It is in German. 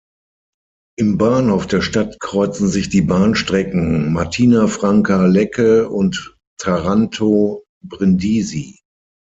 Im Bahnhof der Stadt kreuzen sich die Bahnstrecken Martina Franca–Lecce und Taranto–Brindisi.